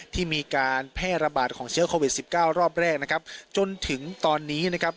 ที่มีการแพร่ระบาดของเชื้อโควิดสิบเก้ารอบแรกนะครับจนถึงตอนนี้นะครับ